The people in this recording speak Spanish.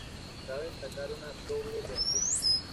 Cabe destacar una doble vertiente.